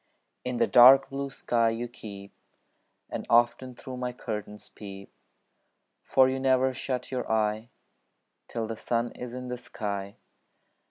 In the dark blue sky you keep, And often through my curtains peep; For you never shut your eye Till the sun is in the sky.